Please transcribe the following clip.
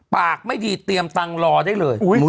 ปากไม่ดีเตรียมตังค์รอได้เลย